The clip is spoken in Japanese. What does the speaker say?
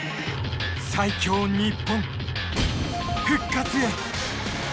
最強日本、復活へ。